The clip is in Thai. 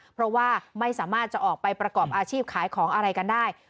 เพราะว่าไม่สามารถจะออกไปประกอบอาชีพขายของอะไรกันได้